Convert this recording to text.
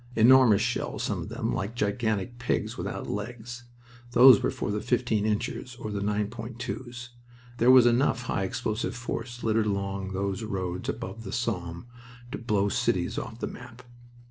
Enormous shells, some of them, like gigantic pigs without legs. Those were for the fifteen inchers, or the 9.2's. There was enough high explosive force littered along those roads above the Somme to blow cities off the map.